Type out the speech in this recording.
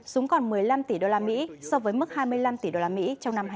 xuống còn một mươi năm tỷ usd so với mức hai mươi năm tỷ usd trong năm hai nghìn hai mươi